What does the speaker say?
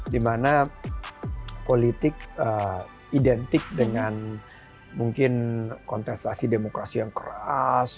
dimana politik identik dengan mungkin kontestasi demokrasi yang keras